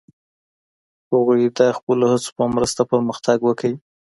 هغوی د خپلو هڅو په مرسته پرمختګ وکړ.